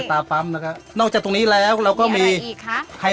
ตาปั๊มจริงด้วย